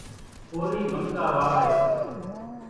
ڪورِي ونڳا واويَ سي۔